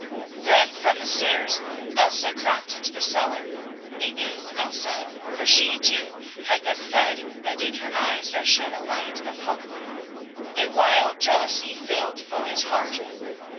Then from the stairs Elsa crept into the cellar, a new Elsa, for she, too, had been fed, and in her eyes there shone a light of hope. A wild jealousy filled Foy's heart.